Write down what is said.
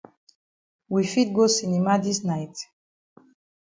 We fit go cinema dis night?